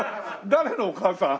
誰のお母さん？